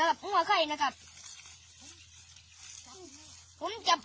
เอาครับฟักบอกไว้แค่นี้นะครับขอบคุณครับ